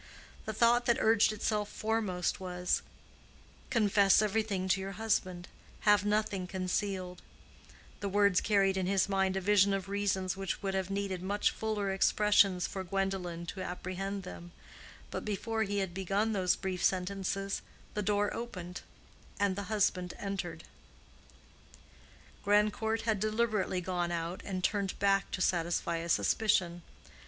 The thought that urged itself foremost was—"Confess everything to your husband; have nothing concealed:"—the words carried in his mind a vision of reasons which would have needed much fuller expressions for Gwendolen to apprehend them, but before he had begun those brief sentences, the door opened and the husband entered. Grandcourt had deliberately gone out and turned back to satisfy a suspicion.